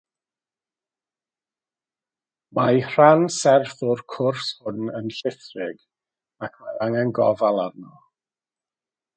Mae rhan serth o'r cwrs hwn yn llithrig ac mae angen gofal arno.